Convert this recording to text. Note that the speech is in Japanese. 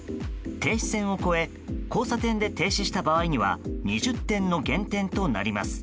停止線を越え交差点で停止した場合には２０点の減点となります。